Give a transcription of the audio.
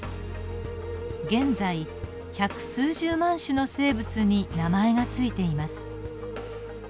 現在百数十万種の生物に名前が付いています。